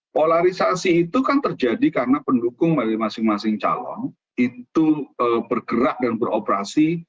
polarisasi itu kan terjadi karena pendukung dari masing masing calon itu bergerak dan beroperasi